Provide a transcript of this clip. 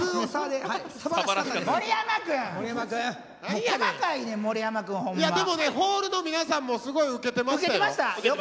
でもねホールの皆さんもすごいウケてましたよ。